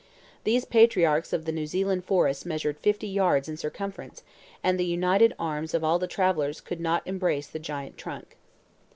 These patriarchs of the New Zealand forest measured fifty yards in circumference, and the united arms of all the travelers could not embrace the giant trunk.